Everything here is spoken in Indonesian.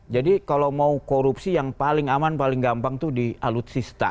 jadi kalau mau korupsi yang paling aman paling gampang itu di alutsista